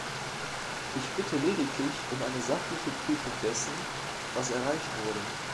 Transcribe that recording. Ich bitte lediglich um eine sachliche Prüfung dessen, was erreicht wurde.